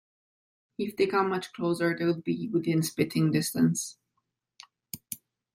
If they come much closer, they'll be within spitting distance.